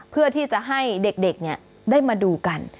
เพื่อที่จะให้เด็กได้มาดูกัน